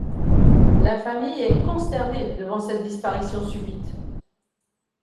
La famille est consternée devant cette disparition subite.